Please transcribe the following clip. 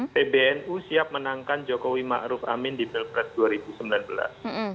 pbnu siap menangkan jokowi ma'ruf amin di pilpres dua ribu sembilan belas